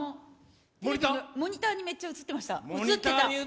モニターにめっちゃ映ってました。